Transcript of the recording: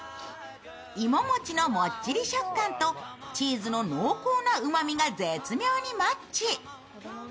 いももちのもっちり食感とチーズの濃厚なうまみが絶妙にマッチ。